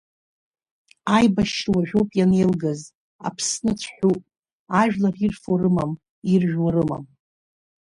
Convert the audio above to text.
Аибашьра уажәоуп ианеилгаз, Аԥсны цәҳәуп, ажәлар ирфо рымам, иржәуа рымам.